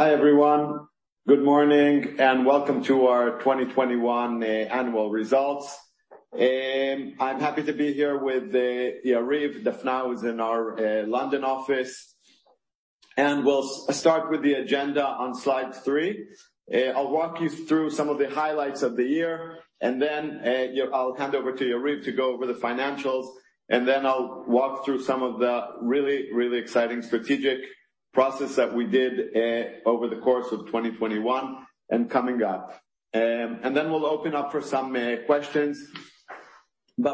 Hi, everyone. Good morning, and welcome to our 2021 annual results. I'm happy to be here with Yariv Dafna, who was in our London office. We'll start with the agenda on slide three. I'll walk you through some of the highlights of the year, and then I'll hand over to Yariv to go over the financials. Then I'll walk through some of the really exciting strategic progress that we did over the course of 2021 and coming up. Then we'll open up for some questions.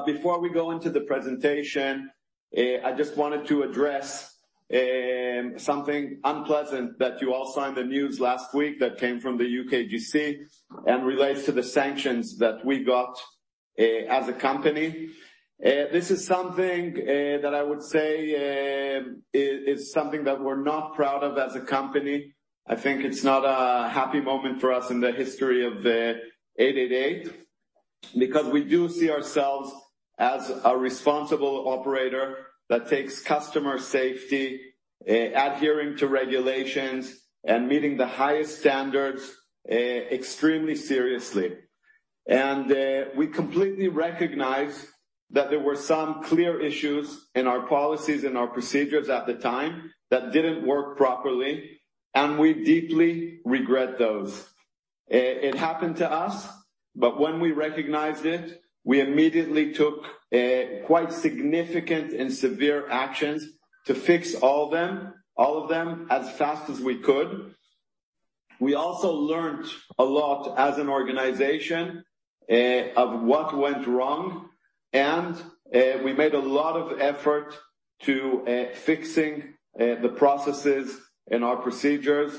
Before we go into the presentation, I just wanted to address something unpleasant that you all saw in the news last week that came from the UKGC and relates to the sanctions that we got as a company. This is something that I would say is something that we're not proud of as a company. I think it's not a happy moment for us in the history of 888, because we do see ourselves as a responsible operator that takes customer safety, adhering to regulations and meeting the highest standards extremely seriously. We completely recognize that there were some clear issues in our policies and our procedures at the time that didn't work properly, and we deeply regret those. It happened to us, but when we recognized it, we immediately took quite significant and severe actions to fix all of them as fast as we could. We also learned a lot as an organization of what went wrong, and we made a lot of effort to fixing the processes and our procedures.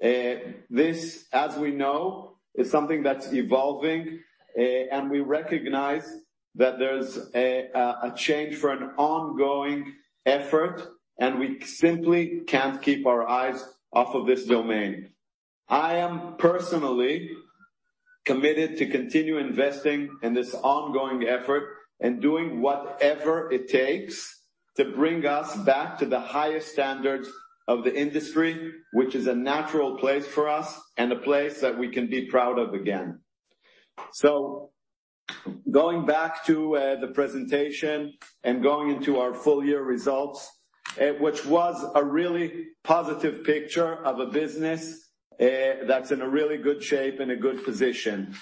This, as we know, is something that's evolving, and we recognize that there's a change for an ongoing effort, and we simply can't keep our eyes off of this domain. I am personally committed to continue investing in this ongoing effort and doing whatever it takes to bring us back to the highest standards of the industry, which is a natural place for us and a place that we can be proud of again. Going back to the presentation and going into our full year results, which was a really positive picture of a business that's in a really good shape and a good position.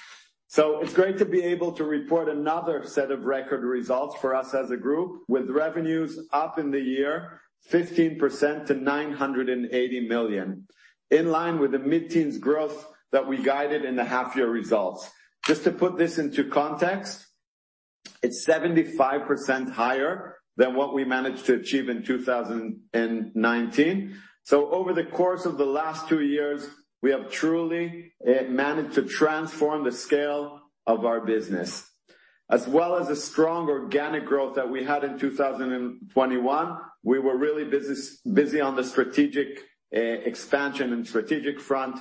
It's great to be able to report another set of record results for us as a group with revenues up 15% in the year to 980 million. In line with the mid-teens growth that we guided in the half year results. Just to put this into context, it's 75% higher than what we managed to achieve in 2019. Over the course of the last two years, we have truly managed to transform the scale of our business. As well as the strong organic growth that we had in 2021, we were really busy on the strategic expansion and strategic front.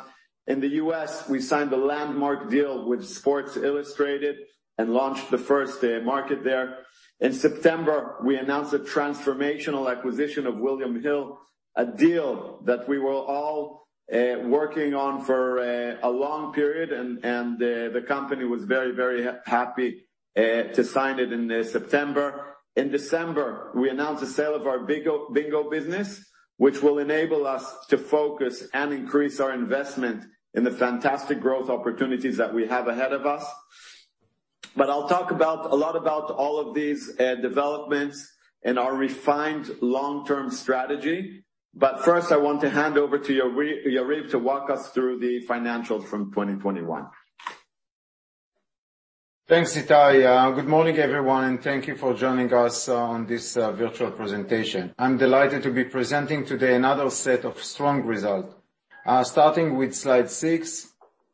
In the U.S., we signed a landmark deal with Sports Illustrated and launched the first day market there. In September, we announced a transformational acquisition of William Hill, a deal that we were all working on for a long period, and the company was very happy to sign it in September. In December, we announced a sale of our bingo business, which will enable us to focus and increase our investment in the fantastic growth opportunities that we have ahead of us. I'll talk a lot about all of these developments and our refined long-term strategy. First, I want to hand over to Yariv to walk us through the financials from 2021. Thanks, Itai. Good morning, everyone, and thank you for joining us on this virtual presentation. I'm delighted to be presenting today another set of strong results. Starting with slide six,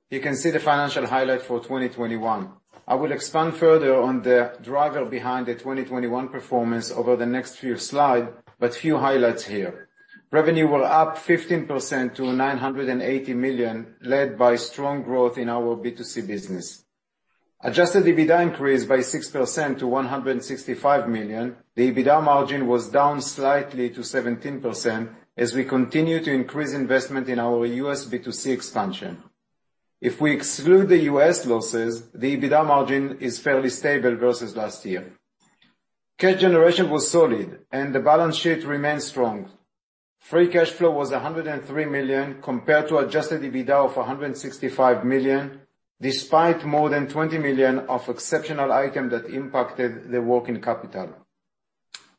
you can see the financial highlights for 2021. I will expand further on the drivers behind the 2021 performance over the next few slides, but few highlights here. Revenue were up 15% to 980 million, led by strong growth in our B2C business. Adjusted EBITDA increased by 6% to GPB 165 million. The EBITDA margin was down slightly to 17% as we continue to increase investment in our U.S. B2C expansion. If we exclude the U.S. losses, the EBITDA margin is fairly stable versus last year. Cash generation was solid, and the balance sheet remains strong. Free cash flow was 103 million, compared to adjusted EBITDA of 165 million, despite more than 20 million of exceptional item that impacted the working capital.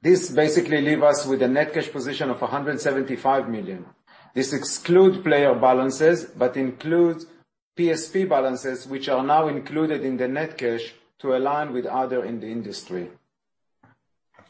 This basically leave us with a net cash position of 175 million. This excludes player balances, but includes PSP balances, which are now included in the net cash to align with other in the industry.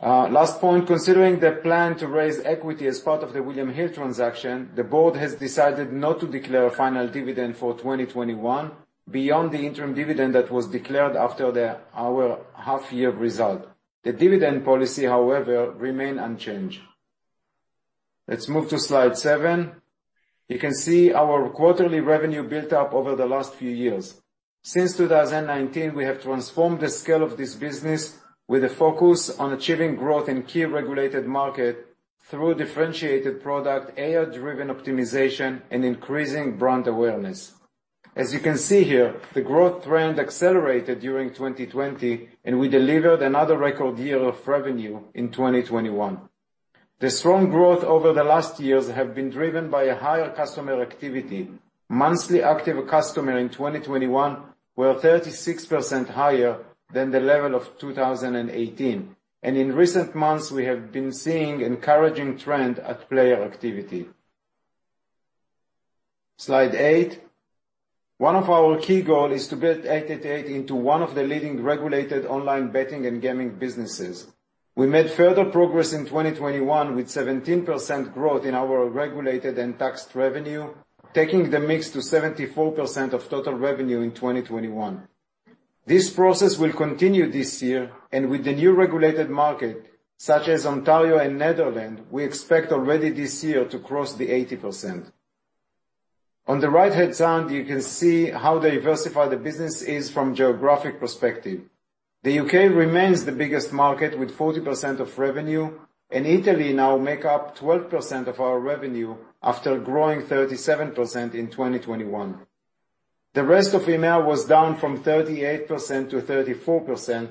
Last point, considering the plan to raise equity as part of the William Hill transaction, the board has decided not to declare a final dividend for 2021 beyond the interim dividend that was declared after our half year result. The dividend policy, however, remain unchanged. Let's move to slide seven. You can see our quarterly revenue built up over the last few years. Since 2019, we have transformed the scale of this business with a focus on achieving growth in key regulated market through differentiated product, AI-driven optimization, and increasing brand awareness. As you can see here, the growth trend accelerated during 2020, and we delivered another record year of revenue in 2021. The strong growth over the last years have been driven by a higher customer activity. Monthly active customer in 2021 were 36% higher than the level of 2018. In recent months, we have been seeing encouraging trend at player activity. Slide eight. One of our key goal is to build 888 into one of the leading regulated online betting and gaming businesses. We made further progress in 2021 with 17% growth in our regulated and taxed revenue, taking the mix to 74% of total revenue in 2021. This process will continue this year, and with the new regulated market, such as Ontario and the Netherlands, we expect already this year to cross the 80%. On the right-hand side, you can see how diversified the business is from geographic perspective. The U.K. remains the biggest market with 40% of revenue, and Italy now make up 12% of our revenue after growing 37% in 2021. The rest of EMEA was down from 38%-34%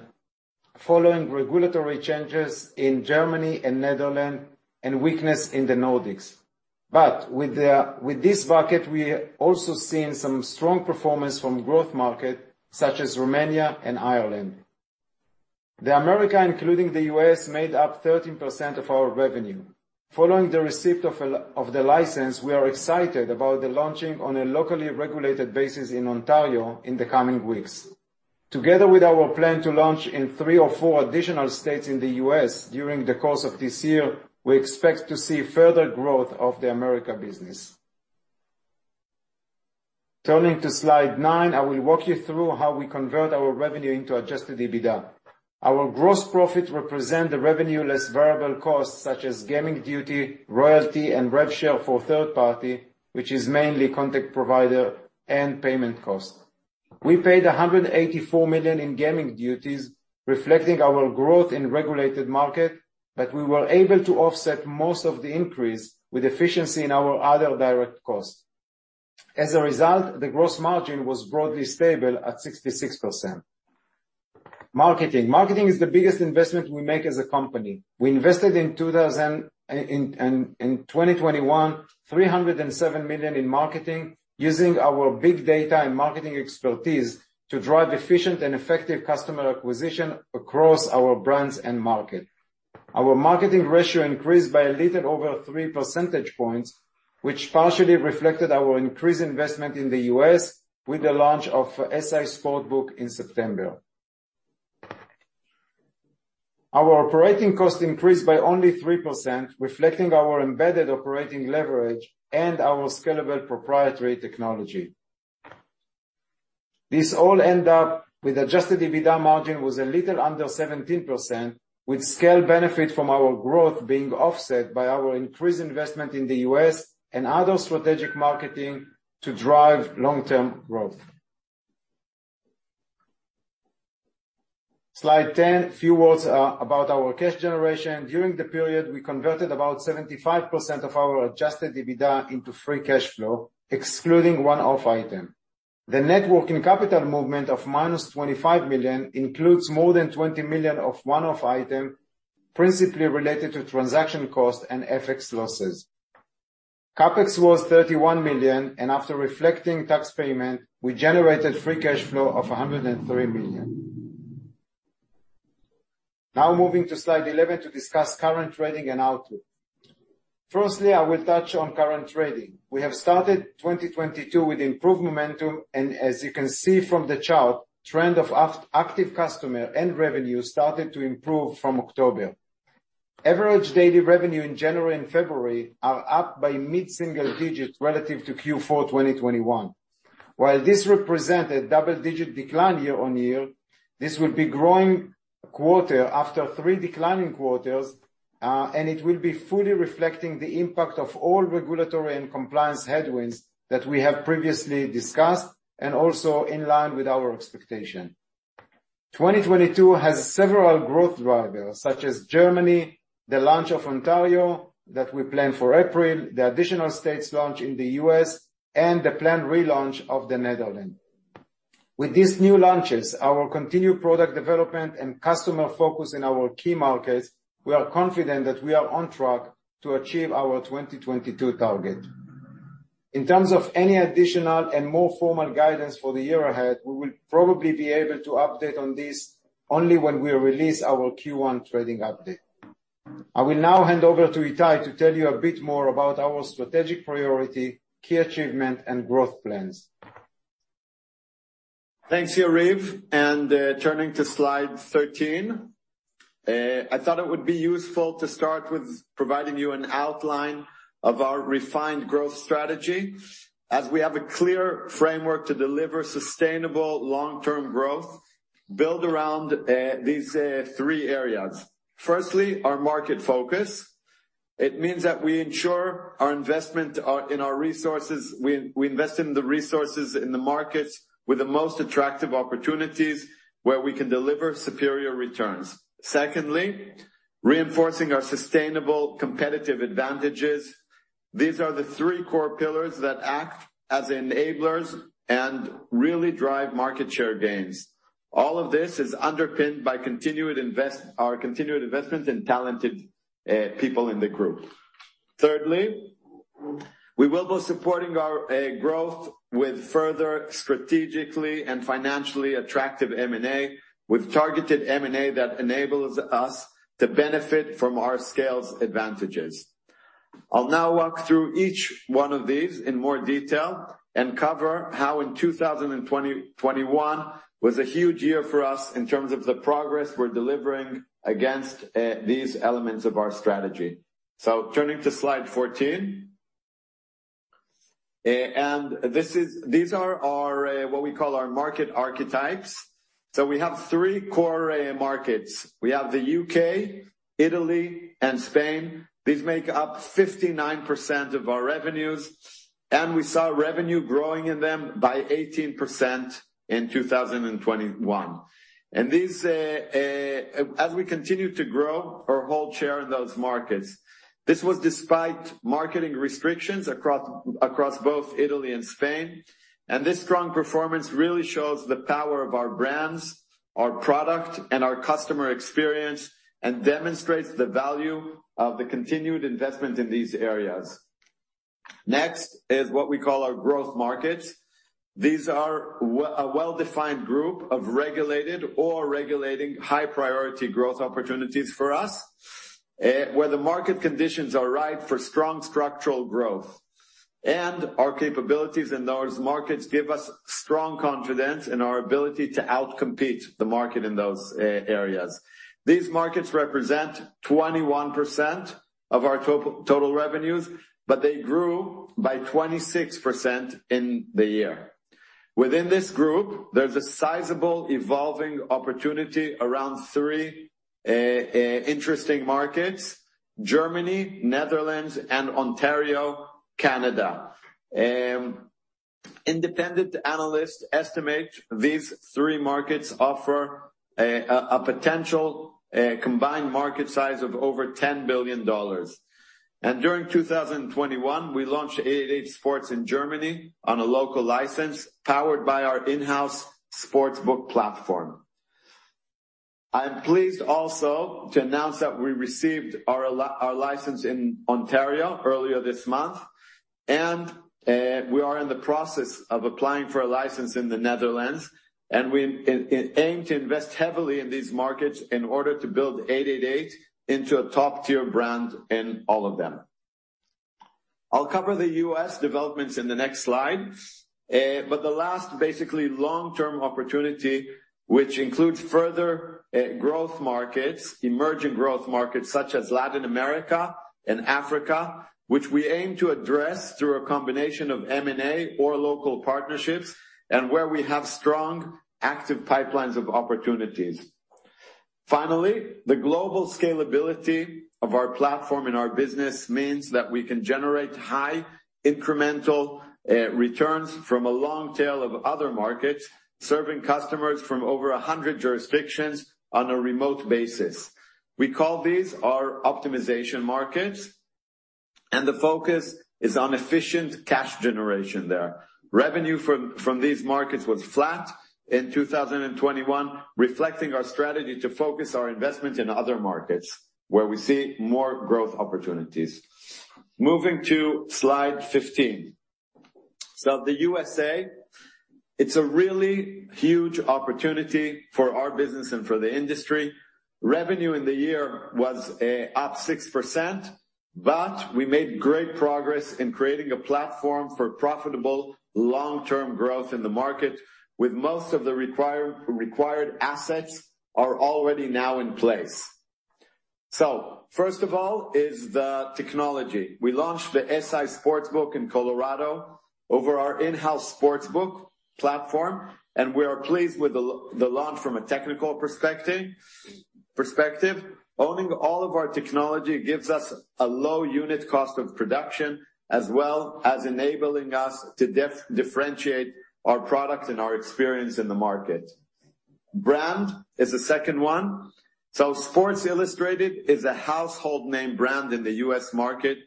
following regulatory changes in Germany and the Netherlands and weakness in the Nordics. With this bucket, we also seen some strong performance from growth market such as Romania and Ireland. The Americas, including the U.S., made up 13% of our revenue. Following the receipt of the license, we are excited about the launching on a locally regulated basis in Ontario in the coming weeks. Together with our plan to launch in three or four additional states in the U.S. during the course of this year, we expect to see further growth of the Americas business. Turning to slide nine, I will walk you through how we convert our revenue into adjusted EBITDA. Our gross profit represent the revenue less variable costs such as gaming duty, royalty, and rev share for third party, which is mainly content provider and payment cost. We paid 184 million in gaming duties, reflecting our growth in regulated market, but we were able to offset most of the increase with efficiency in our other direct costs. As a result, the gross margin was broadly stable at 66%. Marketing. Marketing is the biggest investment we make as a company. We invested in 2021, 307 million in marketing using our big data and marketing expertise to drive efficient and effective customer acquisition across our brands and market. Our marketing ratio increased by a little over 3 percentage points, which partially reflected our increased investment in the U.S. with the launch of SI Sportsbook in September. Our operating cost increased by only 3%, reflecting our embedded operating leverage and our scalable proprietary technology. This all ends up with adjusted EBITDA margin was a little under 17%, with scale benefit from our growth being offset by our increased investment in the U.S. and other strategic marketing to drive long-term growth. Slide 10, few words about our cash generation. During the period, we converted about 75% of our adjusted EBITDA into free cash flow, excluding one-off item. The net working capital movement of -25 million includes more than 20 million of one-off item, principally related to transaction costs and FX losses. CapEx was 31 million, and after reflecting tax payment, we generated free cash flow of 103 million. Now moving to slide 11 to discuss current trading and outlook. Firstly, I will touch on current trading. We have started 2022 with improved momentum, and as you can see from the chart, trend of active customer and revenue started to improve from October. Average daily revenue in January and February are up by mid-single digits relative to Q4 2021. While this represents a double-digit decline year-on-year, this will be a growing quarter after three declining quarters, and it will fully reflect the impact of all regulatory and compliance headwinds that we have previously discussed and also in line with our expectations. 2022 has several growth drivers, such as Germany, the launch of Ontario that we plan for April, the launch in additional states in the U.S., and the planned relaunch of the Netherlands. With these new launches, our continued product development and customer focus in our key markets, we are confident that we are on track to achieve our 2022 target. In terms of any additional and more formal guidance for the year ahead, we will probably be able to update on this only when we release our Q1 trading update. I will now hand over to Itai to tell you a bit more about our strategic priority, key achievement, and growth plans. Thanks, Yariv. Turning to slide 13. I thought it would be useful to start with providing you an outline of our refined growth strategy. As we have a clear framework to deliver sustainable long-term growth built around these three areas. Firstly, our market focus. It means that we ensure our investment in our resources. We invest in the resources in the markets with the most attractive opportunities where we can deliver superior returns. Secondly, reinforcing our sustainable competitive advantages. These are the three core pillars that act as enablers and really drive market share gains. All of this is underpinned by our continued investments in talented people in the group. Thirdly, we will go on supporting our growth with further strategically and financially attractive M&A, with targeted M&A that enables us to benefit from our scale advantages. I'll now walk through each one of these in more detail and cover how in 2021 was a huge year for us in terms of the progress we're delivering against these elements of our strategy. Turning to slide 14. And this is these are our what we call our market archetypes. We have three core markets. We have the U.K., Italy, and Spain. These make up 59% of our revenues, and we saw revenue growing in them by 18% in 2021. These as we continue to grow our market share in those markets. This was despite marketing restrictions across both Italy and Spain. This strong performance really shows the power of our brands, our product, and our customer experience, and demonstrates the value of the continued investment in these areas. Next is what we call our growth markets. These are a well-defined group of regulated or regulating high-priority growth opportunities for us, where the market conditions are right for strong structural growth. Our capabilities in those markets give us strong confidence in our ability to outcompete the market in those areas. These markets represent 21% of our total revenues, but they grew by 26% in the year. Within this group, there's a sizable evolving opportunity around three interesting markets: Germany, Netherlands, and Ontario, Canada. Independent analysts estimate these three markets offer a potential combined market size of over $10 billion. During 2021, we launched 888sport in Germany on a local license powered by our in-house Sportsbook platform. I am pleased also to announce that we received our license in Ontario earlier this month, and we are in the process of applying for a license in the Netherlands, and we aim to invest heavily in these markets in order to build 888 into a top-tier brand in all of them. I'll cover the U.S. developments in the next slide. The last basically long-term opportunity, which includes further growth markets, emerging growth markets such as Latin America and Africa, which we aim to address through a combination of M&A or local partnerships and where we have strong, active pipelines of opportunities. Finally, the global scalability of our platform and our business means that we can generate high incremental returns from a long tail of other markets, serving customers from over a hundred jurisdictions on a remote basis. We call these our optimization markets, and the focus is on efficient cash generation there. Revenue from these markets was flat in 2021, reflecting our strategy to focus our investment in other markets where we see more growth opportunities. Moving to slide 15. The U.S., it's a really huge opportunity for our business and for the industry. Revenue in the year was up 6%, but we made great progress in creating a platform for profitable long-term growth in the market, with most of the required assets are already now in place. First of all is the technology. We launched the SI Sportsbook in Colorado over our in-house Sportsbook platform, and we are pleased with the launch from a technical perspective. Owning all of our technology gives us a low unit cost of production, as well as enabling us to differentiate our product and our experience in the market. Brand is the second one. Sports Illustrated is a household name brand in the U.S. market,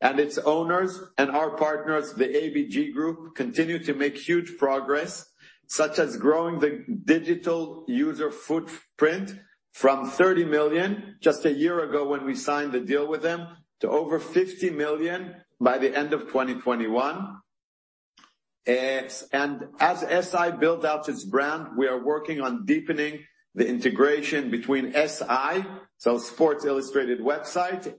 and its owners and our partners, the ABG Group, continue to make huge progress, such as growing the digital user footprint from 30 million just a year ago when we signed the deal with them to over 50 million by the end of 2021. As SI build out its brand, we are working on deepening the integration between SI, so Sports Illustrated website,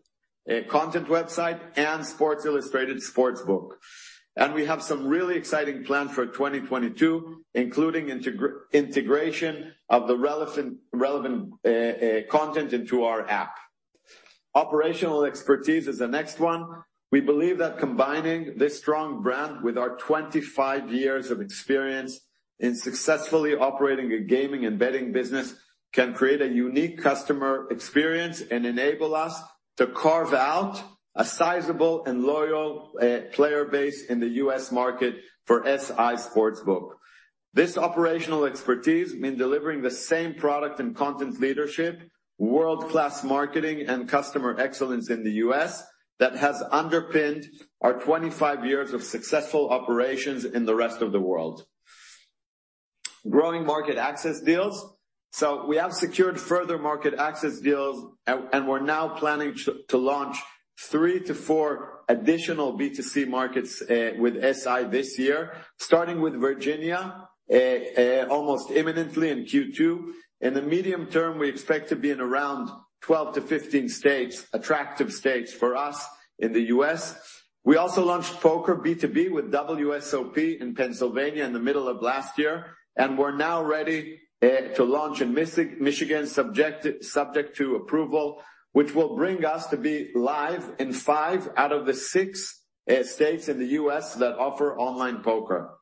content website, and Sports Illustrated Sportsbook. We have some really exciting plan for 2022, including integration of the relevant content into our app. Operational expertise is the next one. We believe that combining this strong brand with our 25 years of experience in successfully operating a gaming and betting business can create a unique customer experience and enable us to carve out a sizable and loyal player base in the U.S. market for SI Sportsbook. This operational expertise mean delivering the same product and content leadership, world-class marketing and customer excellence in the U.S. that has underpinned our 25 years of successful operations in the rest of the world. Growing market access deals. We have secured further market access deals, and we're now planning to launch three-four additional B2C markets with SI this year, starting with Virginia almost imminently in Q2. In the medium term, we expect to be in around 12-15 states, attractive states for us in the U.S. We also launched Poker B2B with WSOP in Pennsylvania in the middle of last year, and we're now ready to launch in Michigan, subject to approval, which will bring us to be live in five out of the six states in the U.S. that offer online poker.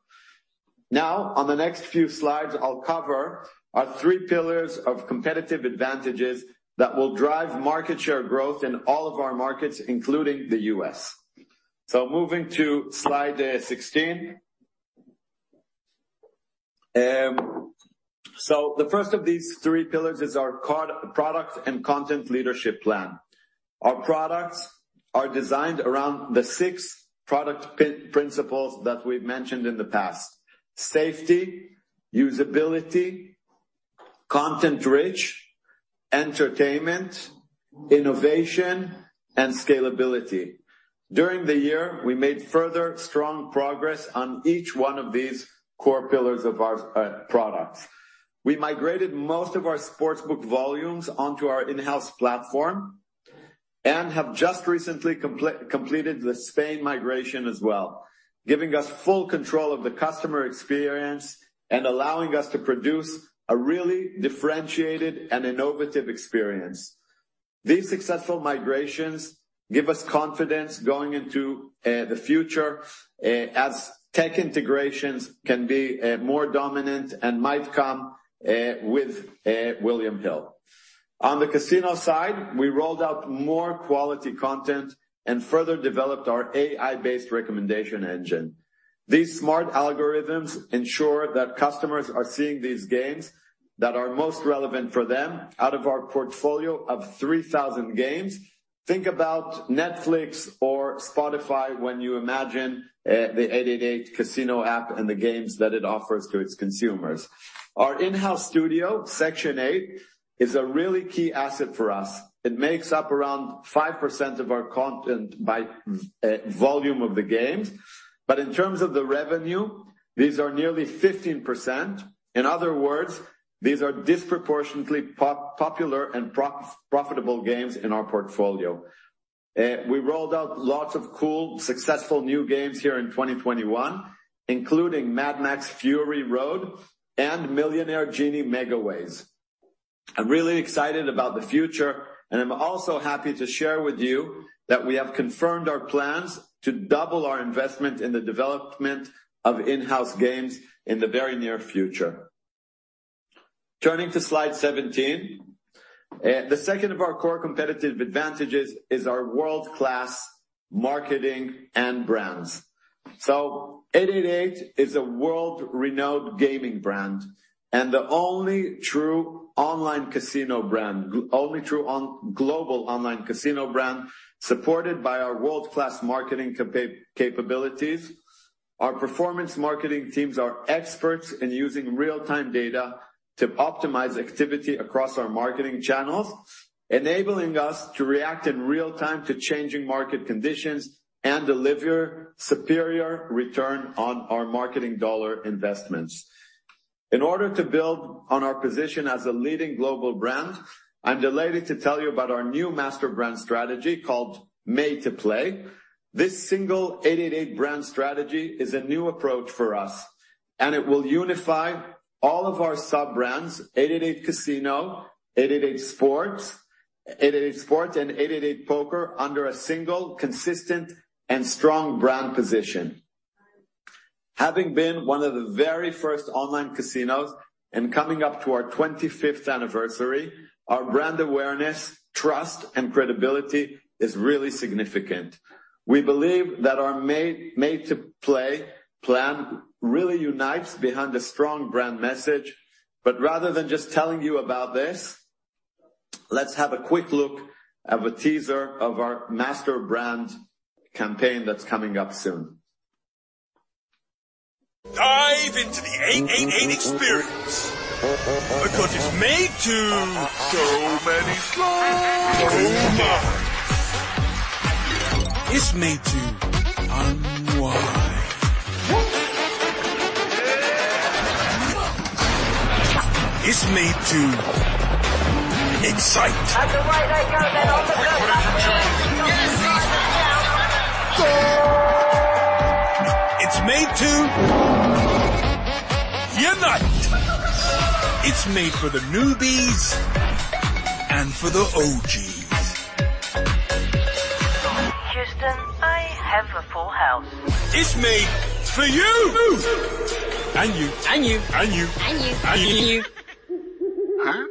Now, on the next few slides, I'll cover our three pillars of competitive advantages that will drive market share growth in all of our markets, including the U.S. Moving to slide 16. The first of these three pillars is our product and content leadership plan. Our products are designed around the six product principles that we've mentioned in the past, safety, usability, content-rich, entertainment, innovation, and scalability. During the year, we made further strong progress on each one of these core pillars of our products. We migrated most of our Sportsbook volumes onto our in-house platform and have just recently completed the Spain migration as well, giving us full control of the customer experience and allowing us to produce a really differentiated and innovative experience. These successful migrations give us confidence going into the future as tech integrations can be more dominant and might come with William Hill. On the casino side, we rolled out more quality content and further developed our AI-based recommendation engine. These smart algorithms ensure that customers are seeing these games that are most relevant for them out of our portfolio of 3,000 games. Think about Netflix or Spotify when you imagine the 888casino app and the games that it offers to its consumers. Our in-house studio, Section8 Studio, is a really key asset for us. It makes up around 5% of our content by volume of the games. In terms of the revenue, these are nearly 15%. In other words, these are disproportionately popular and profitable games in our portfolio. We rolled out lots of cool, successful new games here in 2021, including Mad Max Fury Road Megaways and Millionaire Genie Megaways. I'm really excited about the future, and I'm also happy to share with you that we have confirmed our plans to double our investment in the development of in-house games in the very near future. Turning to slide 17. The second of our core competitive advantages is our world-class marketing and brands. 888 is a world-renowned gaming brand, and the only true global online casino brand supported by our world-class marketing capabilities. Our performance marketing teams are experts in using real-time data to optimize activity across our marketing channels, enabling us to react in real time to changing market conditions and deliver superior return on our marketing dollar investments. In order to build on our position as a leading global brand, I'm delighted to tell you about our new master brand strategy called Made to Play. This single 888 brand strategy is a new approach for us, and it will unify all of our sub-brands, 888casino, 888sport, and 888poker, under a single, consistent, and strong brand position. Having been one of the very first online casinos and coming up to our 25th anniversary, our brand awareness, trust, and credibility is really significant. We believe that our Made to Play plan really unites behind a strong brand message. Rather than just telling you about this, let's have a quick look of a teaser of our master brand campaign that's coming up soon. Dive into the 888 experience because it's made to. So many slots. Oh, my. It's made to unwind. It's made to excite. Made to unite. It's made for the newbies and for the OGs. Houston, I have a full house. It's made for you. And you. And you. And you. And you. And you. Huh?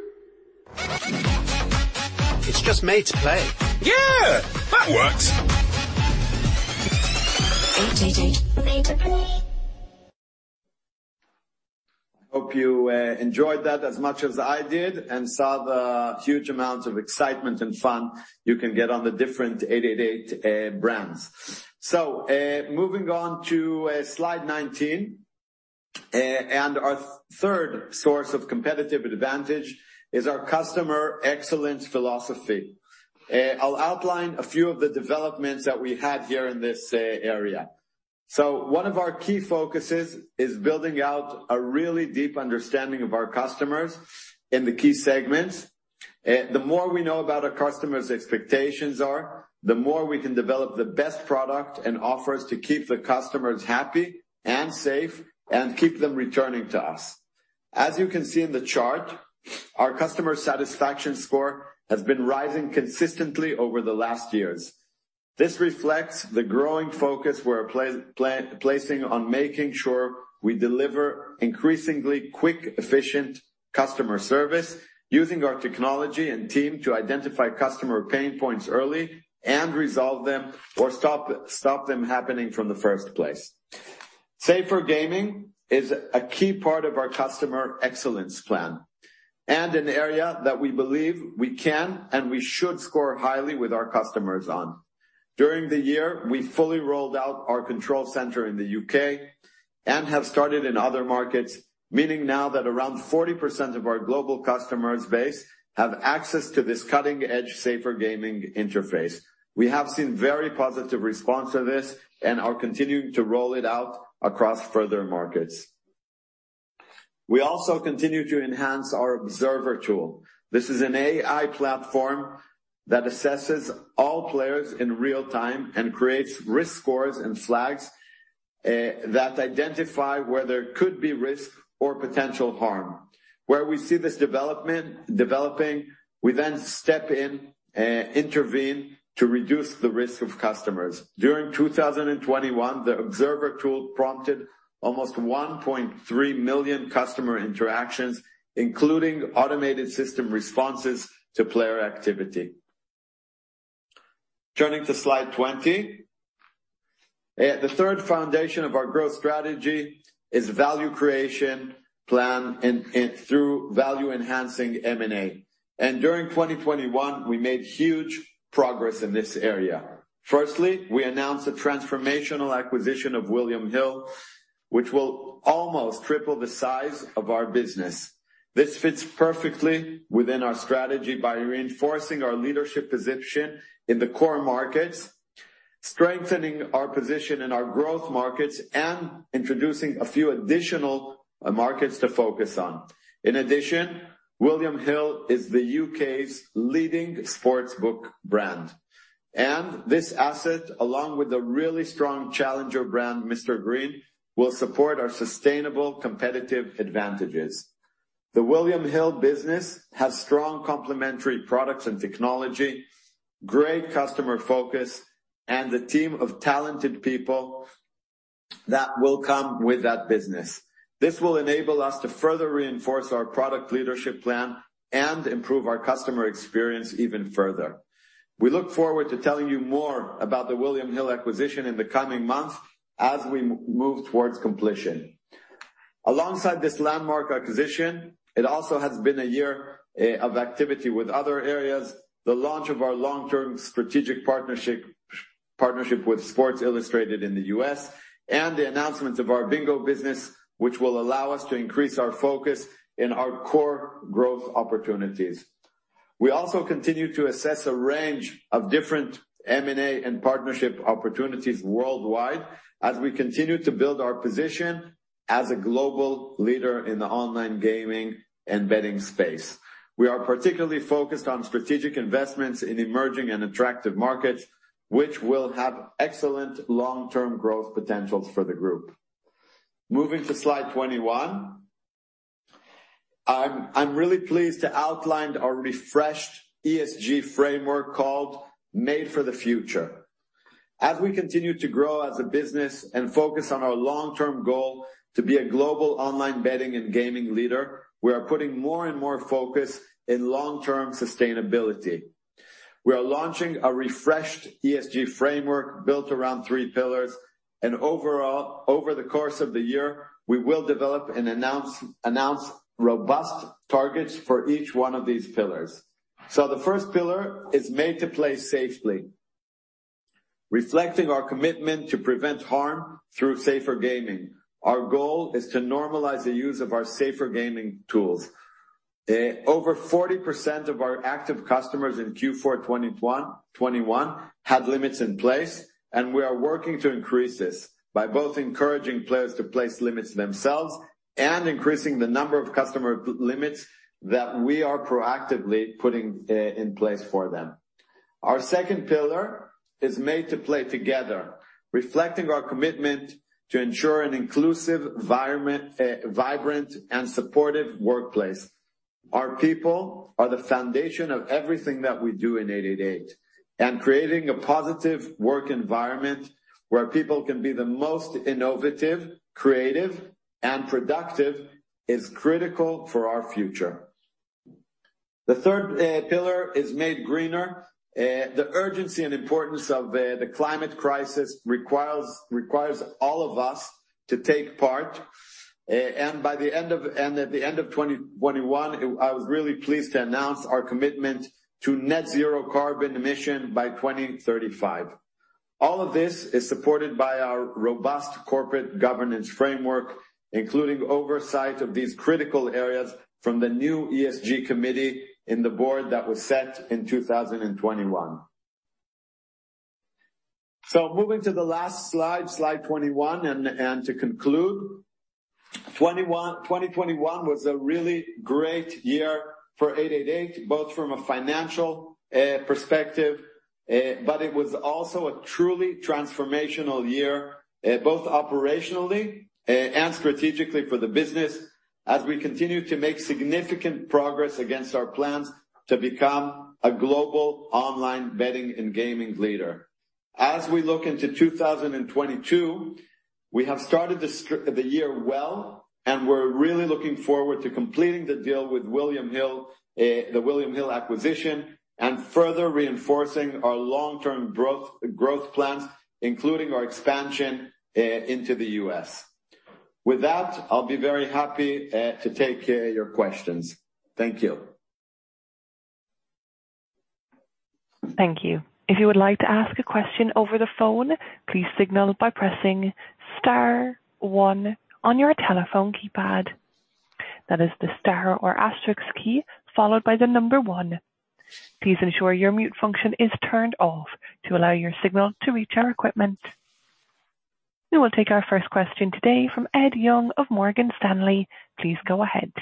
It's just made to play. Yeah, that works. 888 Made to Play. I hope you enjoyed that as much as I did and saw the huge amount of excitement and fun you can get on the different 888 brands. Moving on to slide 19. Our third source of competitive advantage is our customer excellence philosophy. I'll outline a few of the developments that we had here in this area. One of our key focuses is building out a really deep understanding of our customers in the key segments. The more we know about our customers' expectations are, the more we can develop the best product and offers to keep the customers happy and safe and keep them returning to us. As you can see in the chart, our customer satisfaction score has been rising consistently over the last years. This reflects the growing focus we're placing on making sure we deliver increasingly quick, efficient customer service using our technology and team to identify customer pain points early and resolve them or stop them happening from the first place. Safer gaming is a key part of our customer excellence plan and an area that we believe we can, and we should score highly with our customers on. During the year, we fully rolled out our Control Centre in the U.K. and have started in other markets, meaning now that around 40% of our global customer base have access to this cutting-edge safer gaming interface. We have seen very positive response to this and are continuing to roll it out across further markets. We also continue to enhance our Observer tool. This is an AI platform that assesses all players in real time and creates risk scores and flags that identify where there could be risk or potential harm. Where we see this developing, we then step in, intervene to reduce the risk of customers. During 2021, the Observer tool prompted almost 1.3 million customer interactions, including automated system responses to player activity. Turning to slide 20. The third foundation of our growth strategy is value creation plan through value-enhancing M&A. During 2021, we made huge progress in this area. Firstly, we announced the transformational acquisition of William Hill, which will almost triple the size of our business. This fits perfectly within our strategy by reinforcing our leadership position in the core markets, strengthening our position in our growth markets, and introducing a few additional markets to focus on. In addition, William Hill is the U.K.'s leading Sportsbook brand, and this asset, along with a really strong challenger brand, Mr Green, will support our sustainable competitive advantages. The William Hill business has strong complementary products and technology, great customer focus, and a team of talented people that will come with that business. This will enable us to further reinforce our product leadership plan and improve our customer experience even further. We look forward to telling you more about the William Hill acquisition in the coming months as we move towards completion. Alongside this landmark acquisition, it also has been a year of activity with other areas, the launch of our long-term strategic partnership with Sports Illustrated in the U.S., and the announcement of our bingo business, which will allow us to increase our focus in our core growth opportunities. We also continue to assess a range of different M&A and partnership opportunities worldwide as we continue to build our position as a global leader in the online gaming and betting space. We are particularly focused on strategic investments in emerging and attractive markets, which will have excellent long-term growth potentials for the group. Moving to slide 21. I'm really pleased to outline our refreshed ESG framework called Made for the Future. As we continue to grow as a business and focus on our long-term goal to be a global online betting and gaming leader, we are putting more and more focus in long-term sustainability. We are launching a refreshed ESG framework built around three pillars. Over the course of the year, we will develop and announce robust targets for each one of these pillars. The first pillar is Made to Play Safely, reflecting our commitment to prevent harm through safer gaming. Our goal is to normalize the use of our safer gaming tools. Over 40% of our active customers in Q4 2021 had limits in place, and we are working to increase this by both encouraging players to place limits themselves and increasing the number of customer limits that we are proactively putting in place for them. Our second pillar is Made to Play Together, reflecting our commitment to ensure an inclusive environment, vibrant and supportive workplace. Our people are the foundation of everything that we do in 888 and creating a positive work environment where people can be the most innovative, creative, and productive is critical for our future. The third pillar is Made Greener. The urgency and importance of the climate crisis requires all of us to take part. At the end of 2021, I was really pleased to announce our commitment to net zero carbon emission by 2035. All of this is supported by our robust corporate governance framework, including oversight of these critical areas from the new ESG committee in the board that was set in 2021. Moving to the last slide 21, to conclude. 2021 was a really great year for 888, both from a financial perspective, but it was also a truly transformational year, both operationally and strategically for the business as we continue to make significant progress against our plans to become a global online betting and gaming leader. As we look into 2022, we have started the year well, and we're really looking forward to completing the deal with William Hill, the William Hill acquisition, and further reinforcing our long-term growth plans, including our expansion into the U.S. With that, I'll be very happy to take your questions. Thank you. Thank you. If you would like to ask a question over the phone, please signal by pressing star one on your telephone keypad. That is the star or asterisk key followed by the number one. Please ensure your mute function is turned off to allow your signal to reach our equipment. We will take our first question today from Ed Young of Morgan Stanley. Please go ahead.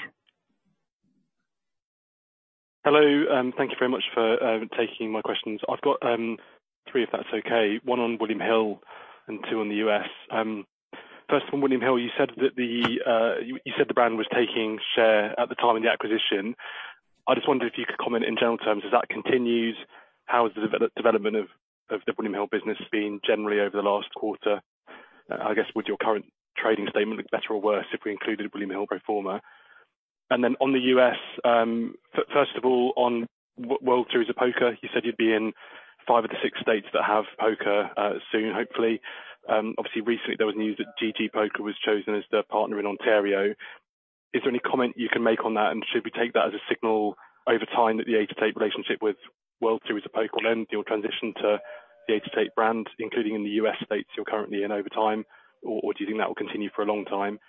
Hello, thank you very much for taking my questions. I've got three, if that's okay. One on William Hill and two on the U.S. First on William Hill, you said the brand was taking share at the time of the acquisition. I just wondered if you could comment in general terms, as that continues, how has the development of the William Hill business been generally over the last quarter? I guess, would your current trading statement look better or worse if we included a William Hill pro forma? On the U.S., first of all, on World Series of Poker, you said you'd be in five of the six states that have poker soon, hopefully. Obviously recently there was news that GGPoker was chosen as their partner in Ontario. Is there any comment you can make on that? Should we take that as a signal over time that the 888 relationship with World Series of Poker will end, you'll transition to the 888 brand, including in the U.S. states you're currently in over time, or do you think that will continue for a long time?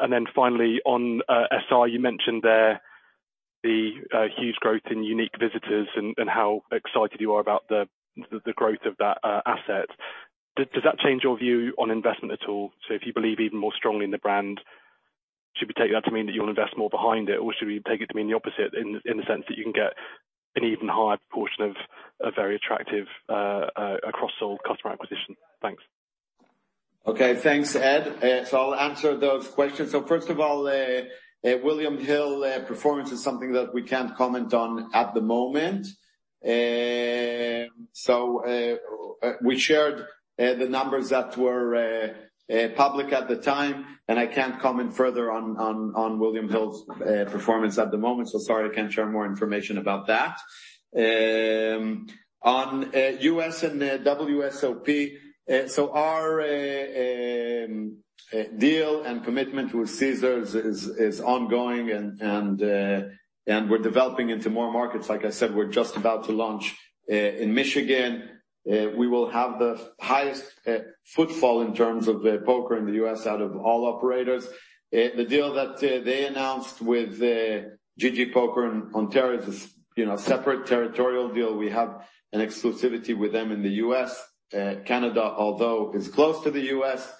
Then finally on SI, you mentioned there the huge growth in unique visitors and how excited you are about the growth of that asset. Does that change your view on investment at all? If you believe even more strongly in the brand, should we take that to mean that you'll invest more behind it, or should we take it to mean the opposite in the sense that you can get an even higher portion of a very attractive cross-sell customer acquisition? Thanks. Okay, thanks, Ed. I'll answer those questions. First of all, William Hill performance is something that we can't comment on at the moment. We shared the numbers that were public at the time, and I can't comment further on William Hill's performance at the moment. Sorry, I can't share more information about that. On U.S. and WSOP. Our deal and commitment with Caesars is ongoing and we're developing into more markets. Like I said, we're just about to launch in Michigan. We will have the highest footfall in terms of poker in the U.S. out of all operators. The deal that they announced with GGPoker in Ontario is, you know, a separate territorial deal. We have an exclusivity with them in the U.S. Canada, although is close to the U.S.,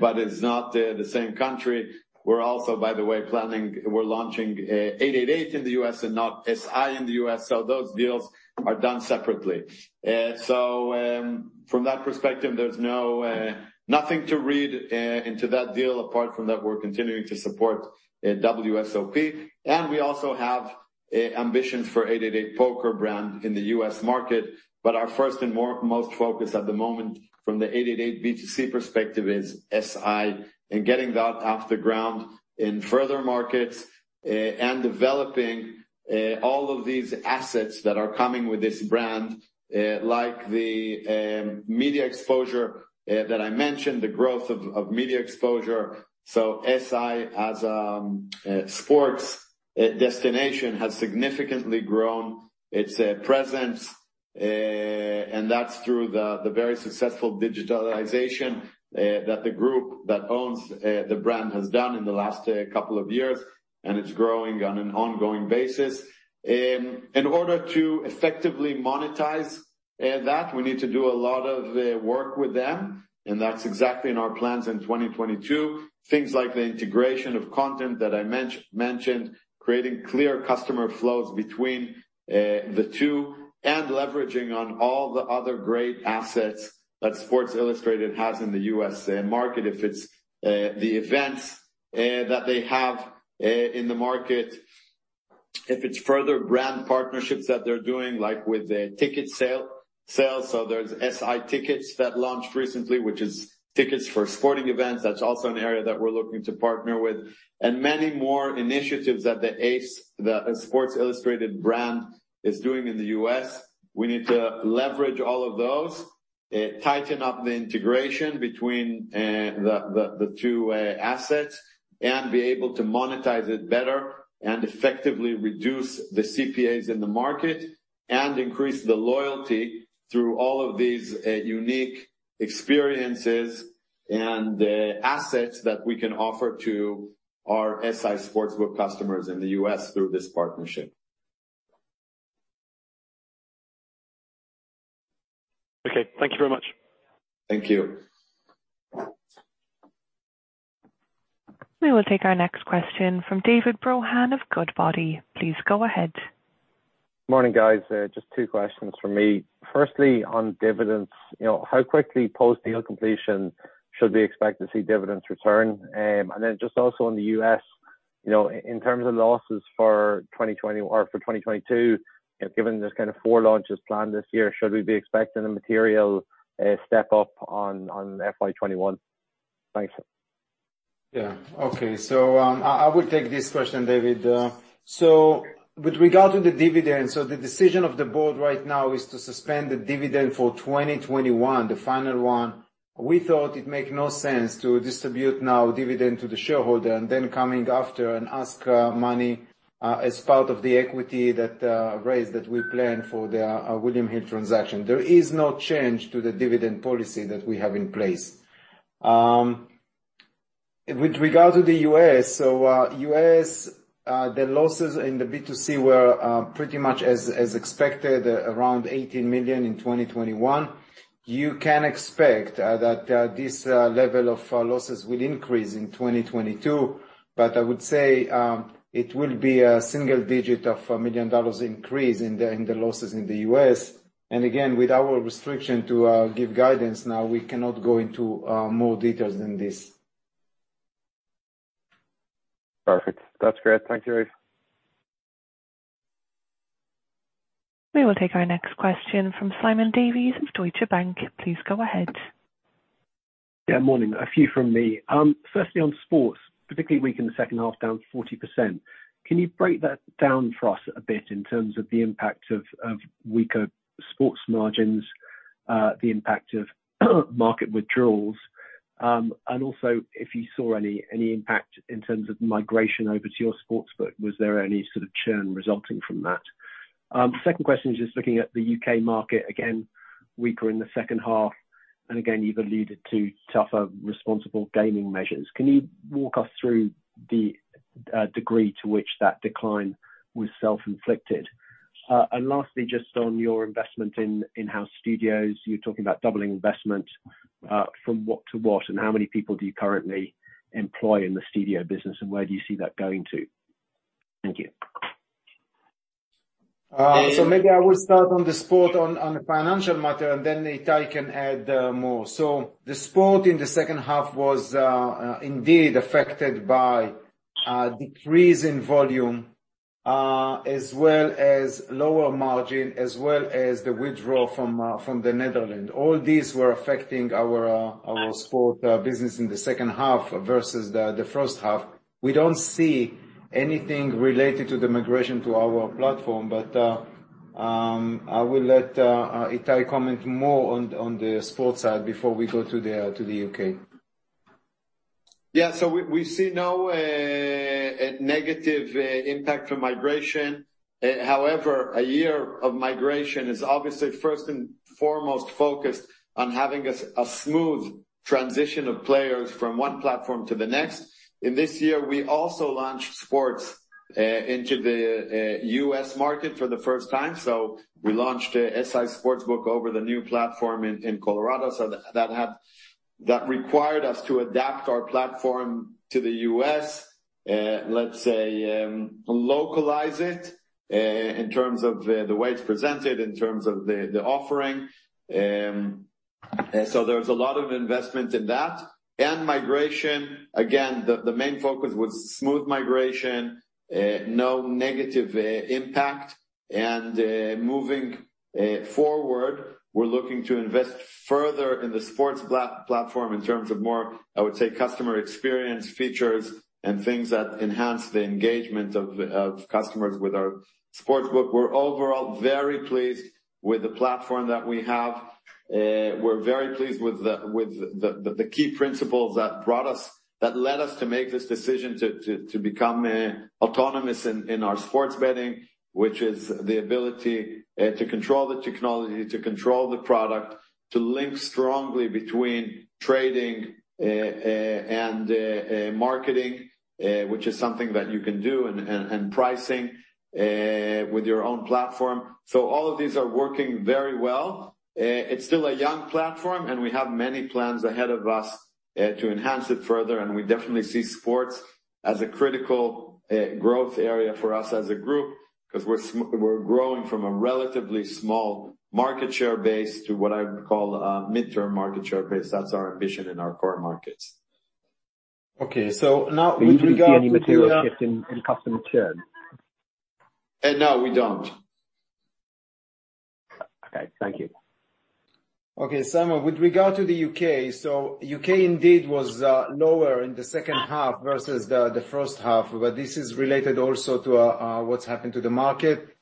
but it's not the same country. We're also, by the way, launching 888 in the U.S. and not SI in the U.S., so those deals are done separately. From that perspective, there's no nothing to read into that deal, apart from that we're continuing to support WSOP. We also have ambitions for 888poker brand in the U.S. market. Our first and most focus at the moment from the 888 B2C perspective is SI and getting that off the ground in further markets and developing all of these assets that are coming with this brand, like the media exposure that I mentioned, the growth of media exposure. SI as a sports destination has significantly grown its presence. That's through the very successful digitalization that the group that owns the brand has done in the last couple of years, and it's growing on an ongoing basis. In order to effectively monetize that, we need to do a lot of work with them, and that's exactly in our plans in 2022. Things like the integration of content that I mentioned, creating clear customer flows between the two, and leveraging on all the other great assets that Sports Illustrated has in the U.S. market. If it's the events that they have in the market. If it's further brand partnerships that they're doing, like with the ticket sales. There's SI Tickets that launched recently, which is tickets for sporting events. That's also an area that we're looking to partner with and many more initiatives that the [inaudible] —the Sports Illustrated brand is doing in the U.S. We need to leverage all of those, tighten up the integration between the two assets and be able to monetize it better and effectively reduce the CPAs in the market and increase the loyalty through all of these unique experiences and assets that we can offer to our SI Sportsbook customers in the U.S. through this partnership. Okay, thank you very much. Thank you. We will take our next question from David Brohan of Goodbody. Please go ahead. Morning, guys. Just two questions from me. Firstly, on dividends, you know, how quickly post-deal completion should we expect to see dividends return? Just also in the U.S., you know, in terms of losses for 2020, or for 2022, you know, given there's kind of four launches planned this year, should we be expecting a material step-up on FY 2021? Thanks. Yeah. Okay. I will take this question, David. With regard to the dividend, the decision of the board right now is to suspend the dividend for 2021, the final one. We thought it make no sense to distribute now dividend to the shareholder and then coming after and ask money as part of the equity raise that we plan for the William Hill transaction. There is no change to the dividend policy that we have in place. With regard to the U.S., the losses in the B2C were pretty much as expected, around 18 million in 2021. You can expect that this level of losses will increase in 2022, but I would say it will be a single digit of a million dollars increase in the losses in the U.S. Again, with our restriction to give guidance now, we cannot go into more details than this. Perfect. That's great. Thank you, Yariv. We will take our next question from Simon Davies of Deutsche Bank. Please go ahead. Yeah, morning. A few from me. Firstly, on sports, particularly weak in the second half, down 40%. Can you break that down for us a bit in terms of the impact of weaker sports margins, the impact of market withdrawals? And also, if you saw any impact in terms of migration over to your Sportsbook, was there any sort of churn resulting from that? Second question is just looking at the U.K. market, again, weaker in the second half, and again, you've alluded to tougher responsible gaming measures. Can you walk us through the degree to which that decline was self-inflicted? And lastly, just on your investment in-house studios, you're talking about doubling investment, from what to what, and how many people do you currently employ in the studio business, and where do you see that going to? Thank you. Maybe I will start on the financial matter, and then Itai can add more. The sports in the second half was indeed affected by decrease in volume as well as lower margin, as well as the withdrawal from the Netherlands. All these were affecting our sports business in the second half versus the first half. We don't see anything related to the migration to our platform, but I will let Itai comment more on the sports side before we go to the U.K. Yeah. We see no negative impact from migration. However, a year of migration is obviously first and foremost focused on having a smooth transition of players from one platform to the next. In this year, we also launched sports into the U.S. market for the first time. We launched SI Sportsbook over the new platform in Colorado. That required us to adapt our platform to the U.S., let's say, localize it in terms of the way it's presented, in terms of the offering. There's a lot of investment in that. Migration, again, the main focus was smooth migration, no negative impact. Moving forward, we're looking to invest further in the sports platform in terms of more customer experience features and things that enhance the engagement of customers with our Sportsbook. We're overall very pleased with the platform that we have. We're very pleased with the key principles that led us to make this decision to become autonomous in our sports betting, which is the ability to control the technology, to control the product, to link strongly between trading and marketing, which is something that you can do, and pricing with your own platform. All of these are working very well. It's still a young platform, and we have many plans ahead of us to enhance it further, and we definitely see sports as a critical growth area for us as a group 'cause we're growing from a relatively small market share base to what I would call a midterm market share base. That's our ambition in our core markets. Okay, now with regard to Do you see any material shift in customer churn? No, we don't. Okay, thank you. Okay, Simon, with regard to the U.K. U.K. indeed was lower in the second half versus the first half, but this is related also to what's happened to the market.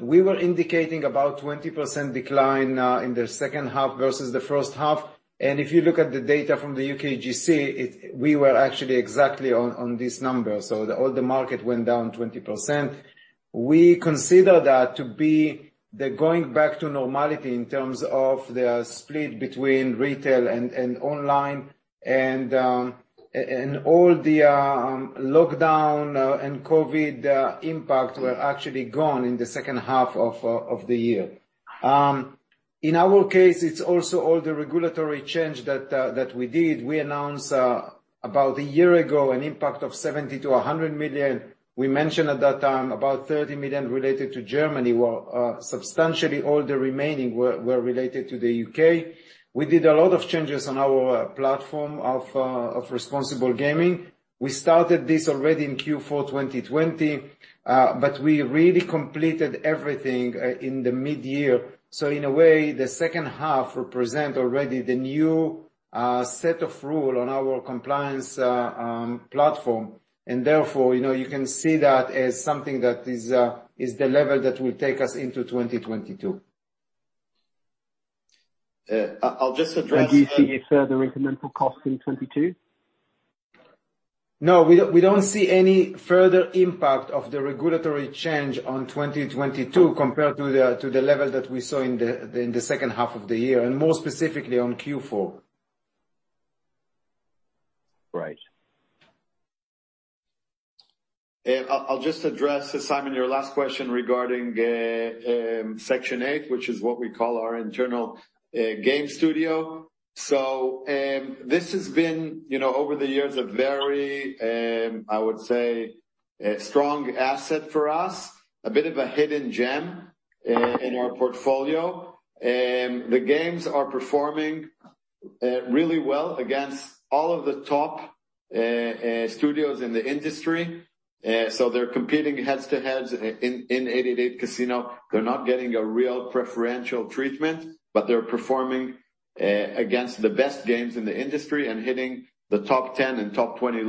We were indicating about 20% decline in the second half versus the first half. If you look at the data from the UKGC, we were actually exactly on this number. All the market went down 20%. We consider that to be the going back to normality in terms of the split between retail and online and all the lockdown and COVID impact were actually gone in the second half of the year. In our case, it's also all the regulatory change that we did. We announced about a year ago an impact of 70 million-100 million. We mentioned at that time about 30 million related to Germany, while substantially all the remaining were related to the U.K. We did a lot of changes on our platform of responsible gaming. We started this already in Q4 2020, but we really completed everything in the mid-year. In a way, the second half represent already the new set of rule on our compliance platform. Therefore, you know, you can see that as something that is the level that will take us into 2022. I'll just address- Do you see further incremental costs in 2022? No. We don't see any further impact of the regulatory change on 2022 compared to the level that we saw in the second half of the year, and more specifically on Q4. Right. I'll just address, Simon, your last question regarding Section8 Studio, which is what we call our internal game studio. This has been, you know, over the years, a very, I would say, a strong asset for us. A bit of a hidden gem in our portfolio. The games are performing really well against all of the top studios in the industry. They're competing head-to-head in 888casino. They're not getting a real preferential treatment, but they're performing against the best games in the industry and hitting the top 10 and top 20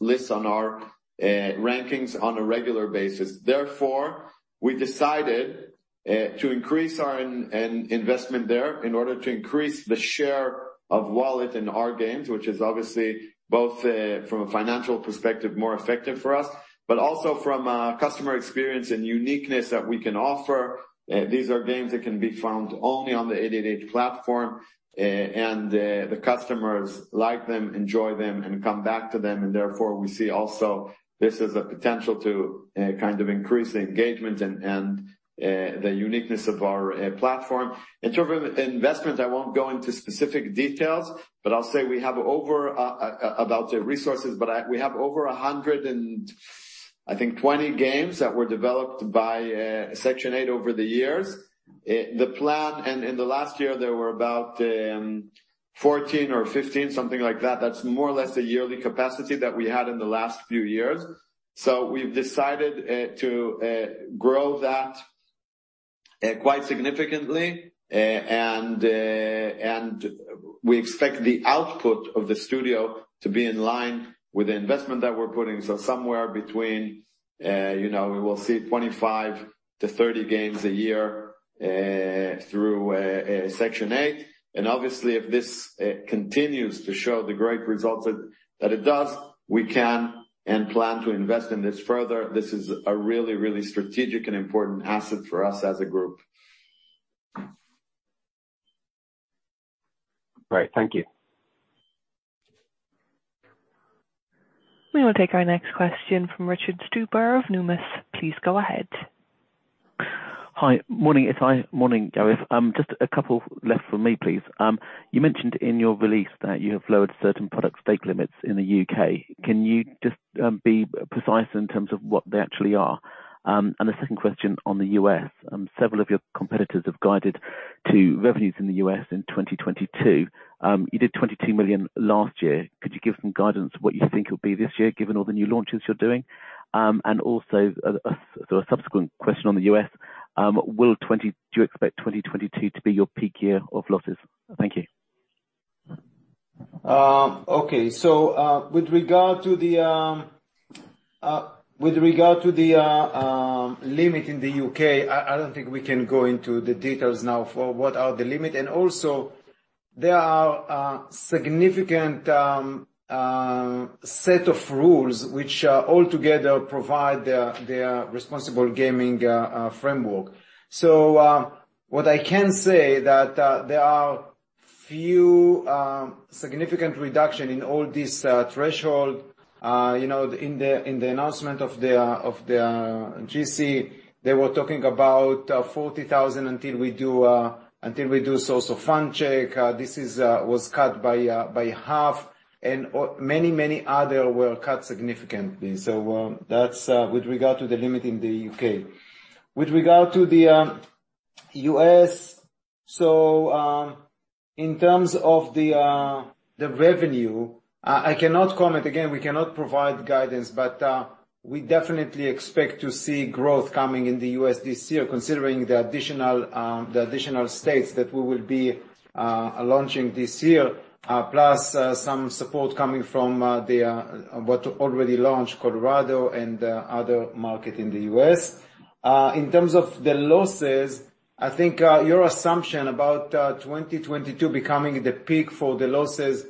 lists on our rankings on a regular basis. Therefore, we decided to increase our in investment there in order to increase the share of wallet in our games, which is obviously both from a financial perspective, more effective for us, but also from customer experience and uniqueness that we can offer. These are games that can be found only on the 888 platform, and the customers like them, enjoy them, and come back to them, and therefore, we see also this is a potential to kind of increase the engagement and the uniqueness of our platform. In terms of investment, I won't go into specific details, but I'll say we have over 120 games that were developed by Section8 Studio over the years. The plan in the last year there were about 14 or 15, something like that. That's more or less a yearly capacity that we had in the last few years. We've decided to grow that quite significantly. We expect the output of the studio to be in line with the investment that we're putting. Somewhere between you know we will see 25-30 games a year through Section8 Studio. Obviously, if this continues to show the great results that it does, we can and plan to invest in this further. This is a really strategic and important asset for us as a group. Great. Thank you. We will take our next question from Richard Stuber of Numis. Please go ahead. Hi. Morning, Itai. Morning, Yariv. Just a couple left for me, please. You mentioned in your release that you have lowered certain product stake limits in the U.K. Can you just be precise in terms of what they actually are? And the second question on the U.S. Several of your competitors have guided to revenues in the U.S. in 2022. You did 22 million last year. Could you give some guidance what you think will be this year, given all the new launches you're doing? And also, so a subsequent question on the U.S., do you expect 2022 to be your peak year of losses? Thank you. Okay. With regard to the limit in the U.K., I don't think we can go into the details now for what are the limit. Also, there are significant set of rules which all together provide the responsible gaming framework. What I can say that there are few significant reduction in all these threshold, you know, in the announcement of the UKGC, they were talking about 40,000 until we do source of funds check. This was cut by half, and many other were cut significantly. That's with regard to the limit in the U.K. With regard to the U.S. In terms of the revenue, I cannot comment. Again, we cannot provide guidance, but we definitely expect to see growth coming in the U.S. this year considering the additional states that we will be launching this year, plus some support coming from what already launched, Colorado and other market in the U.S. In terms of the losses, I think your assumption about 2022 becoming the peak for the losses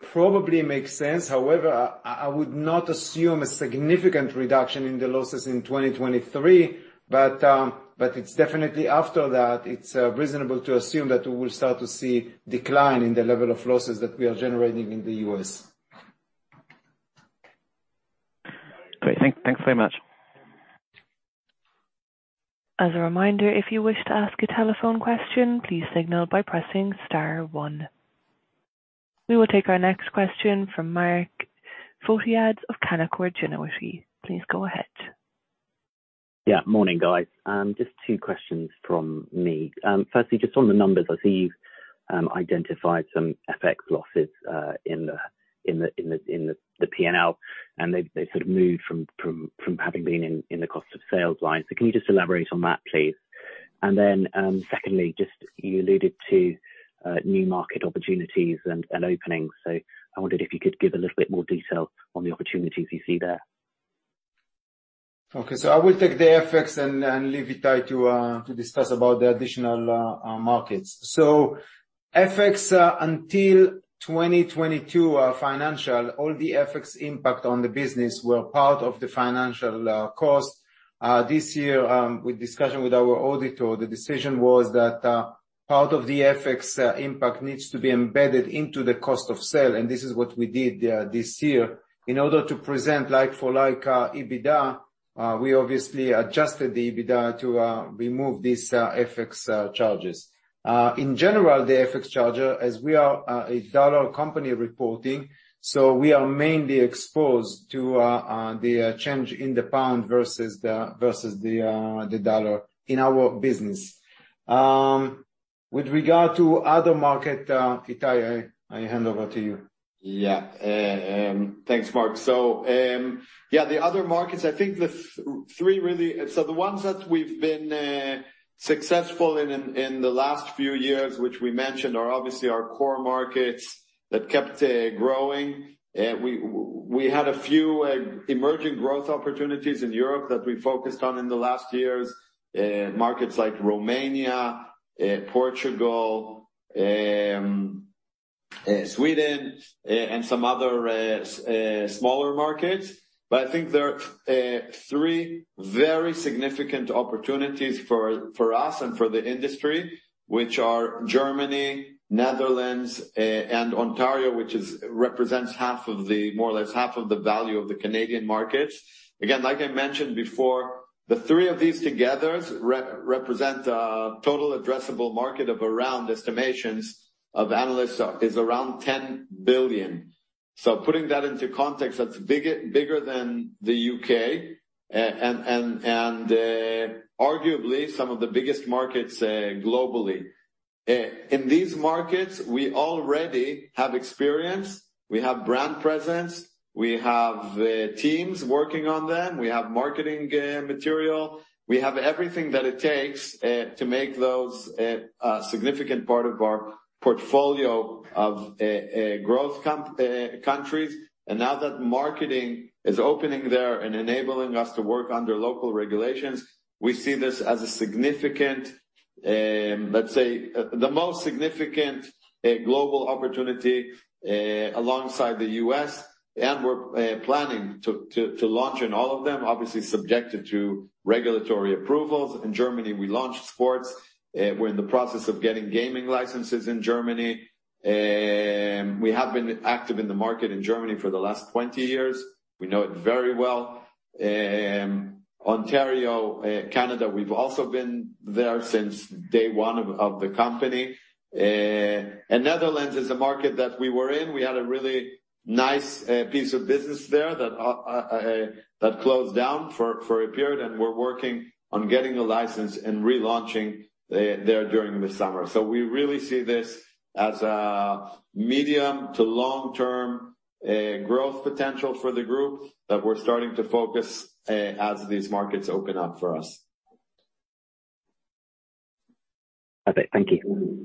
probably makes sense. However, I would not assume a significant reduction in the losses in 2023, but it's definitely after that, it's reasonable to assume that we will start to see decline in the level of losses that we are generating in the U.S. Great. Thanks very much. As a reminder, if you wish to ask a telephone question, please signal by pressing star one. We will take our next question from Mark Photiades of Canaccord Genuity. Please go ahead. Yeah. Morning, guys. Just two questions from me. Firstly, just on the numbers. I see you've identified some FX losses in the P&L, and they've sort of moved from having been in the cost of sales line. Can you just elaborate on that, please? Secondly, just, you alluded to new market opportunities and openings. I wondered if you could give a little bit more detail on the opportunities you see there. Okay. I will take the FX and leave Itai to discuss about the additional markets. FX until 2022, all the FX impact on the business were part of the financial cost. This year, with discussion with our auditor, the decision was that part of the FX impact needs to be embedded into the cost of sale, and this is what we did this year. In order to present like for like EBITDA, we obviously adjusted the EBITDA to remove these FX charges. In general, the FX charge, as we are a dollar company reporting, so we are mainly exposed to the change in the pound versus the dollar in our business. With regard to other market, Itai, I hand over to you. Thanks, Mark. The other markets, I think the three. The ones that we've been successful in in the last few years, which we mentioned, are obviously our core markets that kept growing. We had a few emerging growth opportunities in Europe that we focused on in the last years, markets like Romania, Portugal, Sweden, and some other smaller markets. There are three very significant opportunities for us and for the industry, which are Germany, Netherlands, and Ontario, which represents more or less half of the value of the Canadian markets. Again, like I mentioned before, the three of these together represent a total addressable market of around estimations of analysts is around $10 billion. Putting that into context, that's bigger than the U.K. and arguably some of the biggest markets globally. In these markets, we already have experience. We have brand presence. We have teams working on them. We have marketing material. We have everything that it takes to make those a significant part of our portfolio of growth countries. Now that marketing is opening there and enabling us to work under local regulations, we see this as a significant, let's say, the most significant global opportunity alongside the U.S., and we're planning to launch in all of them, obviously subject to regulatory approvals. In Germany, we launched sports. We're in the process of getting gaming licenses in Germany. We have been active in the market in Germany for the last 20 years. We know it very well. Ontario, Canada, we've also been there since day one of the company. Netherlands is a market that we were in. We had a really nice piece of business there that closed down for a period, and we're working on getting a license and relaunching there during the summer. We really see this as a medium to long-term growth potential for the group that we're starting to focus as these markets open up for us. Okay, thank you.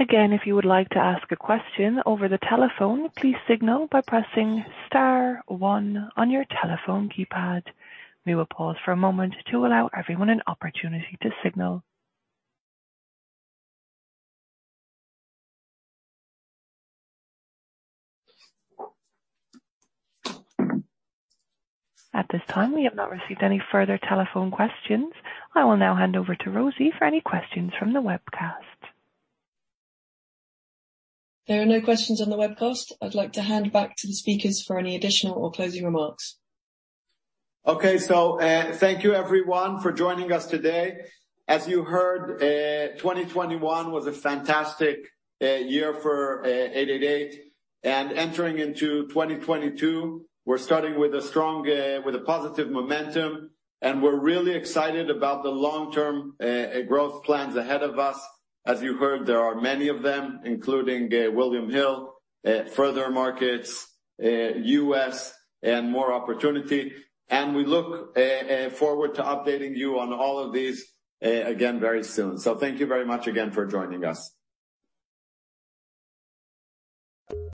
Again, if you would like to ask a question over the telephone, please signal by pressing star one on your telephone keypad. We will pause for a moment to allow everyone an opportunity to signal. At this time, we have not received any further telephone questions. I will now hand over to Rosie for any questions from the webcast. There are no questions on the webcast. I'd like to hand back to the speakers for any additional or closing remarks. Okay. Thank you everyone for joining us today. As you heard, 2021 was a fantastic year for 888. Entering into 2022, we're starting with a positive momentum, and we're really excited about the long-term growth plans ahead of us. As you heard, there are many of them, including William Hill, further markets, U.S., and more opportunity. We look forward to updating you on all of these again very soon. Thank you very much again for joining us.